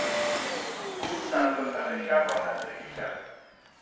او سرتاسر شب رانندگی کرد.